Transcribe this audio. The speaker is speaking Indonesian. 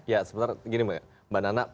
ya sebentar gini mbak nana